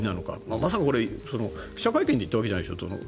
まさかこれ、記者会見で言ったわけじゃないでしょ？